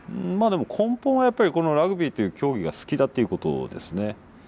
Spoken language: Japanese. まあでも根本はやっぱりこのラグビーという競技が好きだということですね。